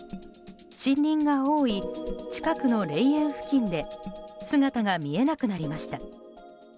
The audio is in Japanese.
森林が多い、近くの霊園付近で姿が見えなくなりました。